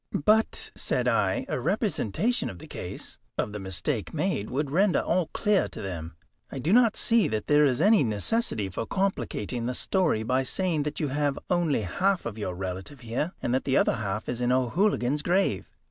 "But," said I, "a representation of the case of the mistake made would render all clear to them. I do not see that there is any necessity for complicating the story by saying that you have only half of your relative here, and that the other half is in O'Hooligan's grave.